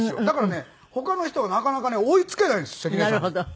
だからね他の人がなかなかね追いつけないんです関根さん。